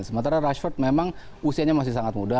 sementara rashford memang usianya masih sangat muda